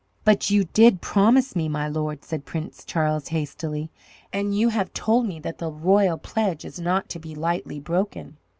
"But you did promise me, my lord," said Prince Charles, hastily, "and you have told me that the royal pledge is not to be lightly broken."